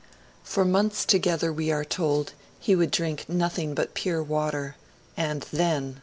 For months together, we are told, he would drink nothing but pure water; and then